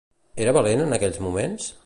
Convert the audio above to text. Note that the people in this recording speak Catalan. Era valent en aquells moments?